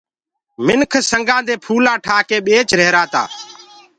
منک سنگآ دي ڦولآ ٺآڪي ٻيچدآ رهيرآ تآ۔